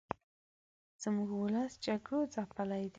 زموږ ولس جګړو ځپلې دې